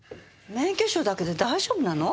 免許証だけで大丈夫なの？